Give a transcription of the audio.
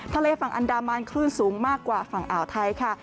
ทะเลฝั่งอันดามันคลื่นสูงมากกว่าฝั่งอ่าวไทยค่ะ